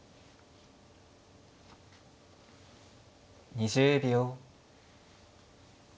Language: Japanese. ２０秒。